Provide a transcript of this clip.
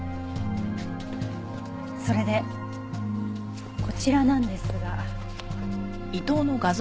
それでこちらなんですが。